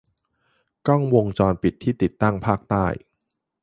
กล้องวงจรปิดที่ติดตั้งภาคใต้